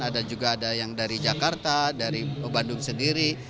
ada juga ada yang dari jakarta dari bandung sendiri